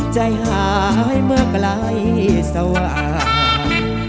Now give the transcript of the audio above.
ใจหายเมื่อไกลสว่าง